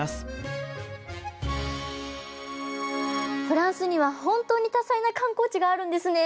フランスには本当に多彩な観光地があるんですね。